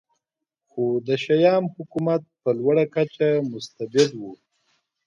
خو د شیام حکومت په لوړه کچه مستبد و